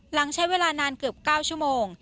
หลังใช้เวลานานเกือบ๙ชั่วโมง